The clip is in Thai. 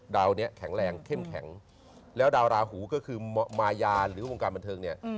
ดาวนี้แข็งแรงเข้มแข็งแล้วดาวราหูก็คือมายาหรือวงการบันเทิงเนี่ย